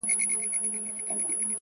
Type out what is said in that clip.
وخت د بې پروایۍ قیمت اخلي،